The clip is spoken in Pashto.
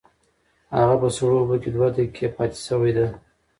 هغه په سړو اوبو کې دوه دقیقې پاتې شوې ده.